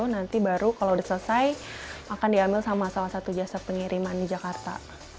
nanti baru kalau udah selesai akan diambil sama salah satu jasa pengiriman di jakarta